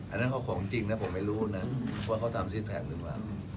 อันนั้นเขาของจริงนะผมไม่รู้นะว่าเขาทำซิดแพคหรือเปล่า